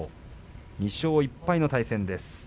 ２勝１敗の対戦です。